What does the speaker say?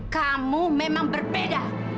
kamu memang berbeda